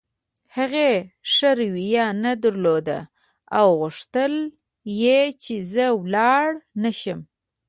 هغې ښه رویه نه درلوده او غوښتل یې چې زه ولاړ نه شم.